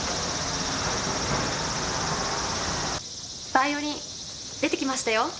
バイオリン出てきましたよ。